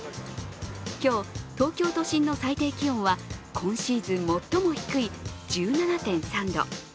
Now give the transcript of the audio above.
今日、東京都心の最低気温は今シーズン最も低い１７．３度。